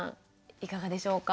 いかがでしょうか？